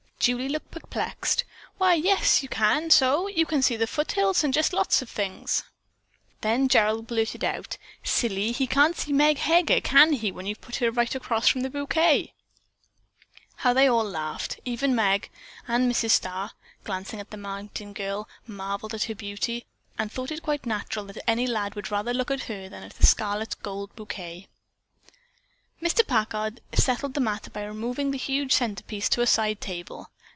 Julie looked perplexed. "Why, yes, you can so! You can see the foothills, and just lots of things." Then Gerald blurted out, "Silly, he can't see Meg Heger, can he, when you've put her right across from the bouquet?" How they all laughed, even Meg, and Mrs. Starr, glancing at the mountain girl, marveled at her beauty, and thought it quite natural that any lad would rather look at her than at a scarlet and gold bouquet. Mr. Packard settled the matter by removing the huge centerpiece to a side table.